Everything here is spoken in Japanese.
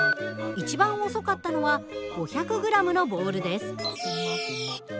一番遅かったのは５００ｇのボールです。